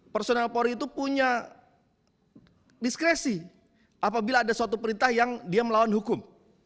personal polri itu punya diskresi apabila ada suatu perintah yang dia melawan hukum